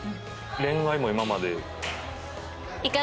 恋愛も今まで。